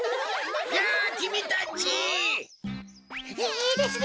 いいですね